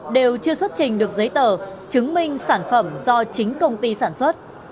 đều chưa xuất trình được giấy tờ chứng minh sản phẩm do chính công ty sản xuất